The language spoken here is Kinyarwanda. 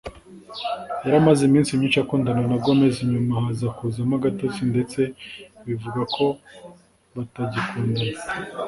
yari amaze iminsi akundana na Gomez nyuma haza kuzamo agatotsi ndetse bivugwa ko batagikundana